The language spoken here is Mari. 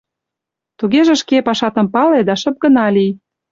Тугеже шке, пашатым пале да шып гына лий.